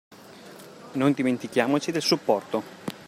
Non dimentichiamoci del supporto.